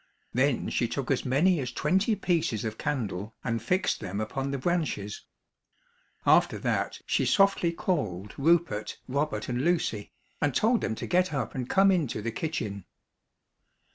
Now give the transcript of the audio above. Then she took as many as twenty pieces of candle and fixed them upon the branches. After that she softly called Rupert, Robert and Lucy, and told them to get up and come into the kitchen.